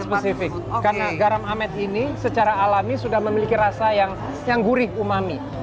spesifik karena garam amet ini secara alami sudah memiliki rasa yang gurih umami